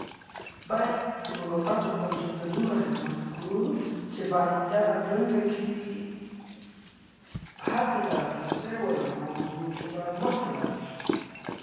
غرونه د افغانستان د تکنالوژۍ پرمختګ سره تړاو لري.